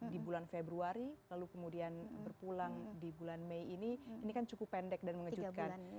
di bulan februari lalu kemudian berpulang di bulan mei ini ini kan cukup pendek dan mengejutkan